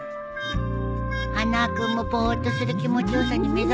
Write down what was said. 花輪君もぼーっとする気持ち良さに目覚めたのかな？